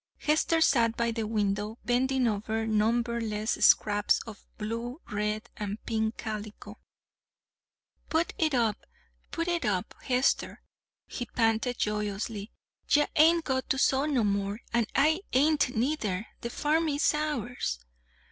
Hester sat by the window, bending over numberless scraps of blue, red, and pink calico. "Put it up, put it up, Hester," he panted joyously. "Ye hain't got to sew no more, an' I hain't neither. The farm is ours!"